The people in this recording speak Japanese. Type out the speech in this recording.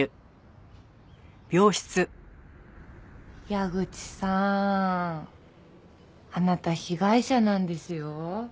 矢口さんあなた被害者なんですよ。